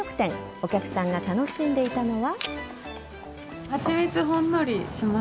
お客さんが楽しんでいたのは。